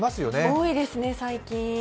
多いですね、最近。